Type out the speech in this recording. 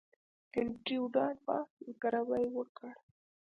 انډریو ډاټ باس زګیروی وکړ